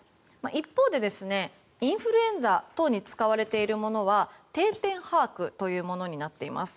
一方でインフルエンザ等に使われているものは定点把握というものになっています。